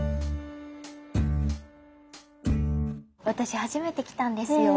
私初めて来たんですよ。